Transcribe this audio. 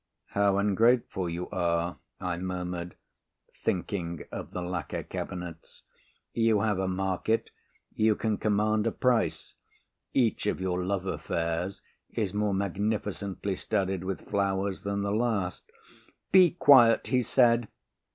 "How ungrateful you are," I murmured, thinking of the lacquer cabinets, "you have a market, you can command a price. Each of your love affairs is more magnificently studded with flowers than the last " "Be quiet," he said.